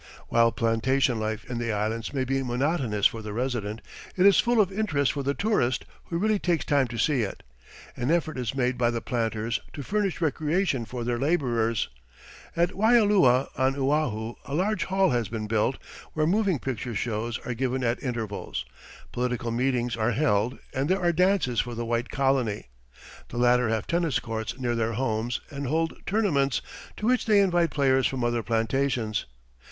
While plantation life in the Islands may be monotonous for the resident, it is full of interest for the tourist who really takes time to see it. An effort is made by the planters to furnish recreation for their labourers. At Waialua on Oahu a large hall has been built, where moving picture shows are given at intervals, political meetings are held, and there are dances for the white colony. The latter have tennis courts near their homes and hold tournaments, to which they invite players from other plantations.